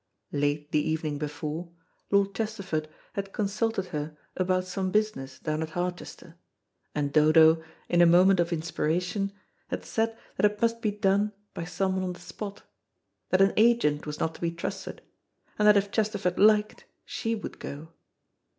Late the evening before, Lord Chesterford had consulted her about some business down at Harchester, and Dodo, in a moment of inspiration, had said that it must be done by someone on the spot, that an agent was not to be trusted, and that if Chesterford liked she would go.